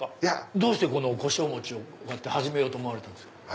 どうして胡椒餅をこうやって始めようと思われたんですか？